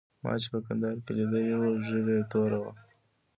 ما چې په کندهار کې لیدلی وو ږیره یې توره وه.